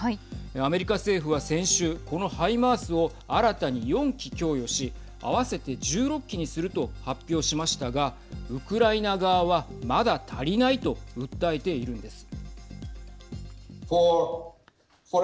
アメリカ政府は先週このハイマースを新たに４基供与し合わせて１６基にすると発表しましたがウクライナ側は、まだ足りないと訴えているんです。